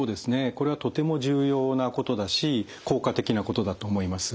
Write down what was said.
これはとても重要なことだし効果的なことだと思います。